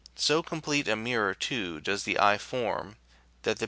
So complete a mirror, too, does the eye form, that the pupil, Chap.